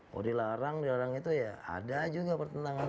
mau dilarang dilarang itu ya ada juga pertentangan